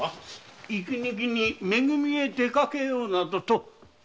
息抜きに「め組」へ出かけようなどとお考えなきよう。